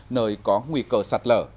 nơi có nguy cơ sạt lở